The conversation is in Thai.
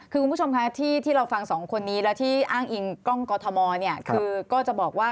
คุณผู้ชมที่เราฟังสองคนนี้แล้วที่อ้างอิงกล้องกอธมอล